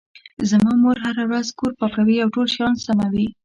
زما مور هره ورځ کور پاکوي او ټول شیان سموي